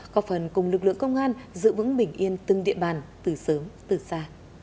có phần cùng lực lượng công an giữ vững bình yên từng địa bàn từ sớm từ xa